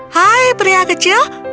hai pria kecil